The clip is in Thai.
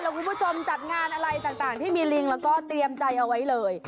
คุณผู้ชมจัดงานอะไรต่างที่มีลิงแล้วก็เตรียมใจเอาไว้เลย